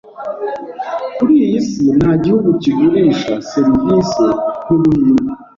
Kuri iy’isi nta gihugu kigurisha serivise nkubuhinde